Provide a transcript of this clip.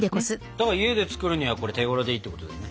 だから家で作るにはこれ手ごろでいいってことだよね。